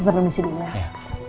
tante mesti dulu ya